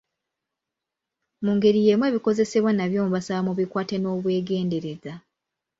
Mu ngeri y'emu ebikozesebwa nabyo mbasaba mubikwate n'obwegendereza.